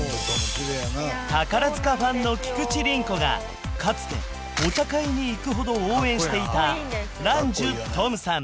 宝塚ファンの菊地凛子がかつてお茶会に行くほど応援していた蘭寿とむさん